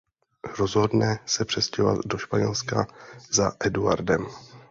Rozhodne se přestěhovat do Španělska za Eduardem.